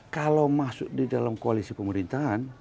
kalau masuk di dalam koalisi pemerintahan